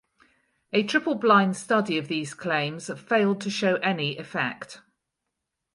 A triple blind study of these claims failed to show any effect.